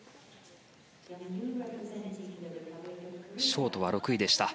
ショートは６位でした。